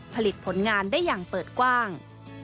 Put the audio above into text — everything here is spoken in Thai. ผลงานได้อย่างเปิดกว้าง